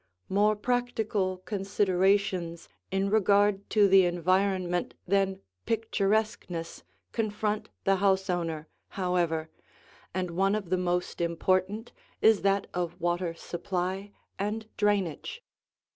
More practical considerations in regard to the environment than picturesqueness confront the house owner, however, and one of the most important is that of water supply and drainage.